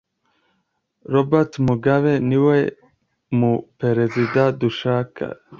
Robert Mugabe niwe mu perezida dushaka